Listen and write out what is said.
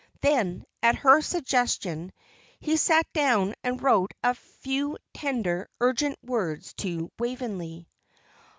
Then, at her suggestion, he sat down and wrote a few tender, urgent words to Waveney.